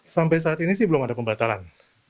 sampai saat ini sih belum ada pembatalan